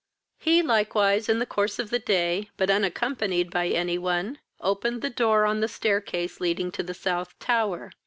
He likewise, in the course of the day, but unaccompanied by any one, opened the door on the stair case leading to the South tower.